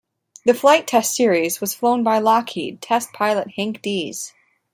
The flight test series was flown by Lockheed test pilot Hank Dees.